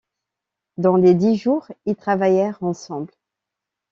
Dans les dix jours, ils travaillèrent ensemble.